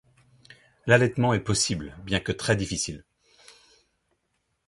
L'allaitement est possible bien que très difficile.